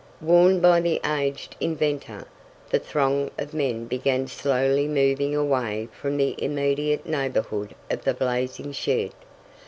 Warned by the aged inventor, the throng of men began slowly moving away from the immediate neighborhood of the blazing shed.